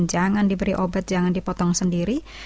jangan diberi obat jangan dipotong sendiri